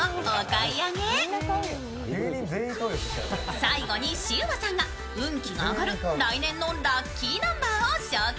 最後にシウマさんが運気が上がる来年のラッキーナンバーを紹介。